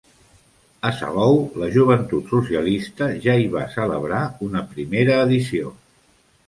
A Salou, la Joventut Socialista ja hi va celebrar una primera edició.